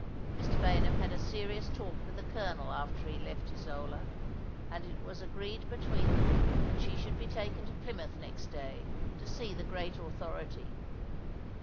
Mr. Baynham had a serious talk with the colonel after he left Isola, and it was agreed between them that she should be taken to Plymouth next day to see the great authority.